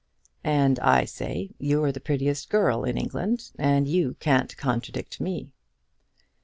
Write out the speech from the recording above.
"And I say you're the prettiest girl in England, and you can't contradict me."